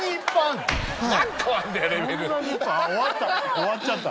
終わっちゃった。